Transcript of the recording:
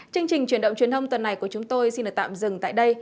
chương trình truyền động truyền thông tuần này của chúng tôi xin được tạm dừng tại đây